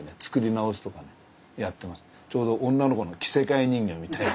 ちょうど女の子の着せかえ人形みたいな。